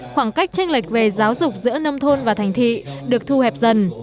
khoảng cách tranh lệch về giáo dục giữa nông thôn và thành thị được thu hẹp dần